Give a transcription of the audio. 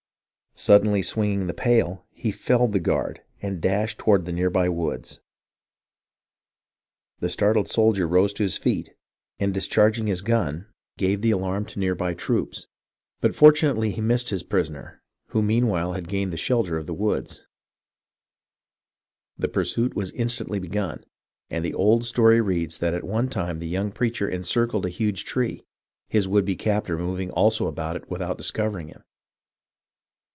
Suddenly swinging the pail, he felled the guard and dashed toward the near by woods. The startled soldier rose to his feet and, discharging THE REVOLT OF THE SOLDIERS 315 his gun, gave the alarm to the near by troops ; but fortu nately he missed his prisoner, who meanwhile had gained the shelter of the woods. The pursuit was instantly begun, and the old story reads that at one time the young preacher encircled a huge tree, his would be captor moving also about it without discovering him.